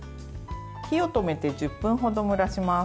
火を止めて１０分程蒸らします。